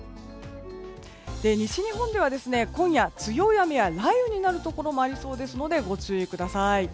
西日本では今夜、強い雨や雷雨になるところもありそうですのでご注意ください。